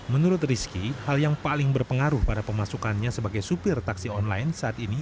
menurut rizky hal yang paling berpengaruh pada pemasukannya sebagai supir taksi online saat ini